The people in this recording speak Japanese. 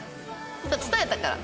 伝えたから。